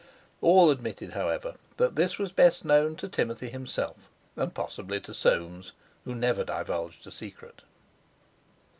All admitted, however, that this was best known to Timothy himself, and possibly to Soames, who never divulged a secret.